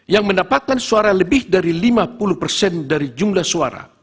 yang mendapatkan suara lebih dari lima puluh persen dari jumlah suara